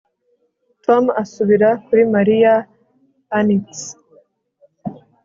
Tom asubira kuri Mariya arnxy